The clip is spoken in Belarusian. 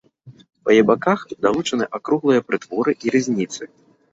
Па яе баках далучаны акруглыя прытворы і рызніцы.